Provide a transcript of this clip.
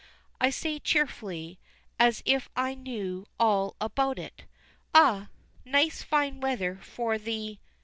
I say cheerfully, as if I knew all about it, "Ah! nice fine weather for the